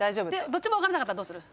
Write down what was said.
どっちも分からなかったらどうする？